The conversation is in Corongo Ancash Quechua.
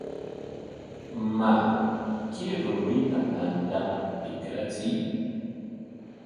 Maa, kay rumita tantaman tikrachiy.